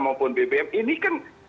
maupun bbm ini kan